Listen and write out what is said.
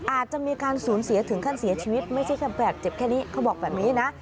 อาจจะมีการสูญเสียถึงขั้นเสียชีวิตไม่ใช่แค่บาดเจ็บแค่นี้เขาบอกแบบนี้นะ